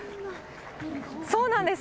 そうなんです。